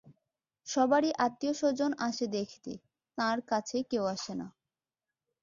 সবারই আত্মীয়স্বজন আসে দেখতে, তাঁর কাছে কেউ আসে না।